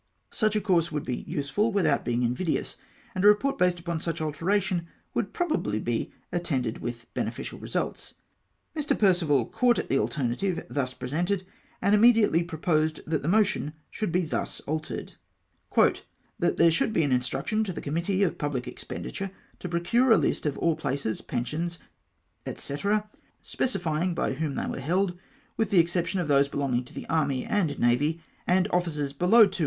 Such a course would be useful without being invidious, and a report based upon such alteration would probably be attended with beneficial results. Mi\ Perceval caught at the alternative thus pre sented, and immediately proposed that the motion should be thus altered :—" That there should be an instruction to the committee of public expenditure, to procure a list of all places, pensions, &c,, specifying by whom they were held, with the exception of those belonging to the Army and Navy, and officers heloiv 2001.